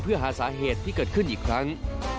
เพื่อหาสาเหตุที่เกิดขึ้นอีกครั้ง